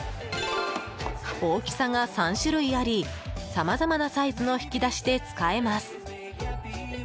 大きさが３種類あり、さまざまなサイズの引き出しで使えます。